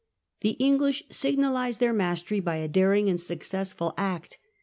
The English signalised their mastery by a daring and successful act.